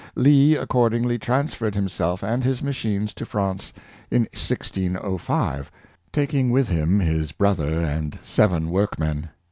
Lee accordingly trans ferred himself and his machines to France, in 1605, tak ing with him his brother and seven workmen.